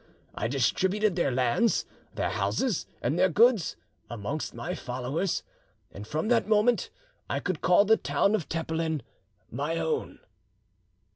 I distributed their lands, their houses, and their goods amongst my followers, and from that moment I could call the town of Tepelen my own."